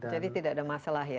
jadi tidak ada masalah ya